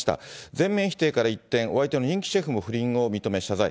全面否定から一転、お相手の人気シェフも不倫を認め、謝罪。